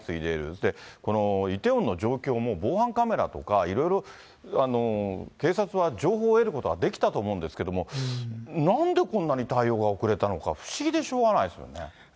それでこのイテウォンの状況も防犯カメラとかいろいろ警察は情報を得ることができたと思うんですけれども、なんでこんなに対応が遅れたのか、不思議でしょうがないですよね。